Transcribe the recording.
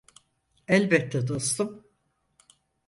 Elbette dostum.